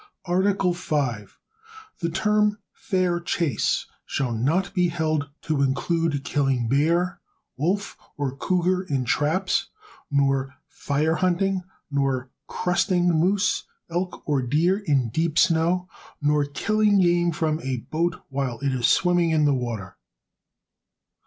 Article V. The term "fair chase" shall not be held to include killing bear, wolf or cougar in traps, nor "fire hunting," nor "crusting" moose, elk or deer in deep snow, nor killing game from a boat while it is swimming in the water.